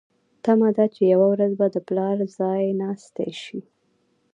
تمه ده چې یوه ورځ به د پلار ځایناستې شي.